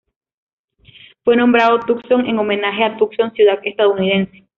Fue nombrado Tucson en homenaje a Tucson ciudad estadounidense.